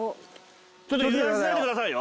ちょっと油断しないでくださいよ